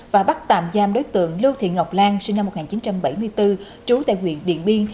và bắt tạm giam đối tượng lưu thị ngọc lan sinh năm một nghìn chín trăm bảy mươi bốn trú tại huyện điện biên